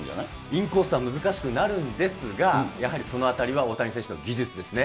インコースは難しくなるんですが、やはりそのあたりは大谷選手の技術ですね。